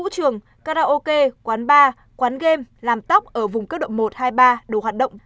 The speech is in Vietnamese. thường karaoke quán bar quán game làm tóc ở vùng cấp độ một hai ba được hoạt động